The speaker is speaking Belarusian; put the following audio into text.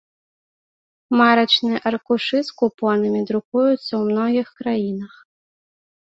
Марачныя аркушы з купонамі друкуюцца ў многіх краінах.